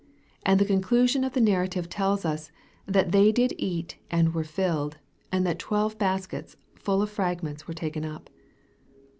And the conclusion of the narrative tells us, that " they did eat, and were filled," and that "twelve baskets full of fragments" were taken up.